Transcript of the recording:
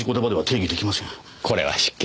これは失敬。